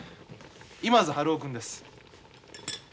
今津春男君です。